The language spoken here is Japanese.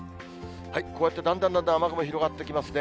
こうやって、だんだんだんだん雨雲広がってきますね。